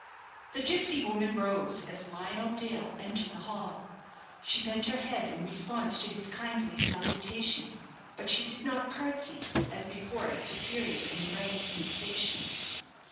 The gipsy woman rose as Lionel Dale entered the hall. She bent her head in response to his kindly salutation; but she did not curtsey as before a superior in rank and station.